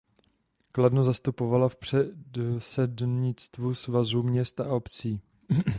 Kladno zastupovala v předsednictvu Svazu měst a obcí.